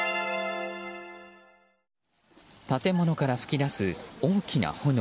建物から噴き出す大きな炎。